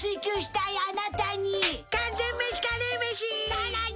さらに！